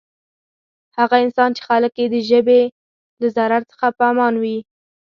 هغه انسان چی خلک یی د ژبی له ضرر څخه په امان وی.